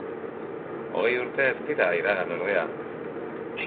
Hogei urte ez dira iragan ordea!.